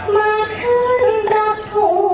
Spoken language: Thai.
มาขึ้นรับถูก